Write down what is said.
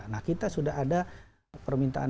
nah kita sudah ada permintaan